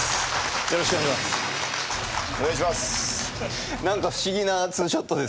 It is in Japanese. よろしくお願いします。